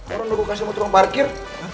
orang udah gue kasih motor uang parkir